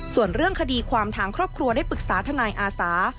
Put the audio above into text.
ส่วนเรื่องคดีความทางครอบครัวได้ปรึกษาทนายอาสา